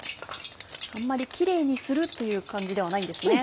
あんまりキレイにするという感じではないんですね。